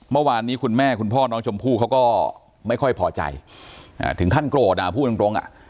เมื่อวานนี้คุณแม่คุณพ่อน้องชมพู่เขาก็ไม่ค่อยพอใจถึงขั้นโกรธอ่ะพูดตรงอ่ะ